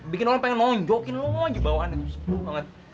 bikin orang pengen nonjokin lo aja bawahannya